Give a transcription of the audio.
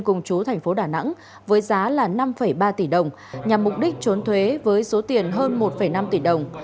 cùng chú thành phố đà nẵng với giá là năm ba tỷ đồng nhằm mục đích trốn thuế với số tiền hơn một năm tỷ đồng